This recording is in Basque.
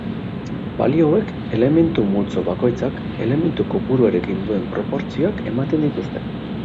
Balio hauek elementu-multzo bakoitzak elementu-kopuruarekin duen proportzioak ematen dituzte.